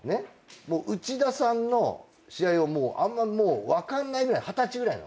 内田さんの試合をあんまもう分かんないぐらい二十歳ぐらいの。